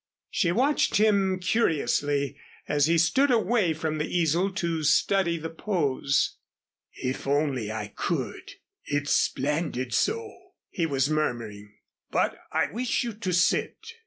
She watched him curiously as he stood away from the easel to study the pose. "If I only could it's splendid so," he was murmuring, "but I wish you to sit."